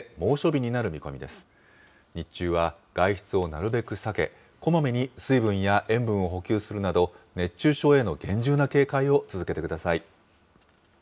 日中は外出をなるべく避け、こまめに水分や塩分を補給するなど、熱中症への厳重な警戒を続けてください。